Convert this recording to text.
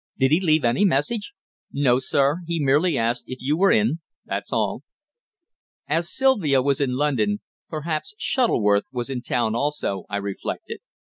"Did he leave any message?" "No, sir. He merely asked if you were in that's all." As Sylvia was in London, perhaps Shuttleworth was in town also, I reflected.